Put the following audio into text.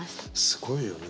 すごいよね